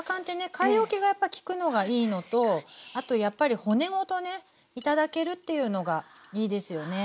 買い置きがやっぱ利くのがいいのとあとやっぱり骨ごとね頂けるっていうのがいいですよね。